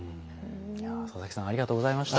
佐々木さんありがとうございました。